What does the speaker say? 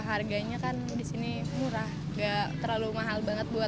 harganya kan di sini murah gak terlalu mahal banget buat